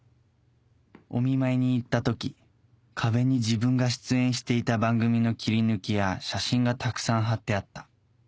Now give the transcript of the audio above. お見舞いに行った時壁に自分が出演していた番組の切り抜きや写真がたくさん張ってあった